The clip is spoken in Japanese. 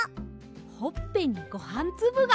ほっぺにごはんつぶが！